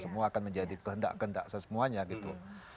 semua akan menjadi kehendak kehendak semuanya gitu